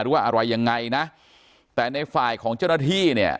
ว่าอะไรยังไงนะแต่ในฝ่ายของเจ้าหน้าที่เนี่ย